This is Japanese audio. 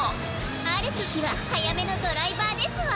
あるときははやめのドライバーですわ！